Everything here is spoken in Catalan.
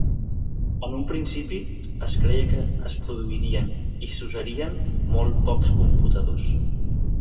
En un principi es creia que es produirien i s'usarien molt pocs computadors.